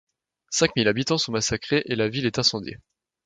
Cinq mille habitants sont massacrés et la ville est incendiée.